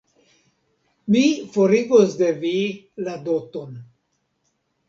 Mi forigos de vi la doton.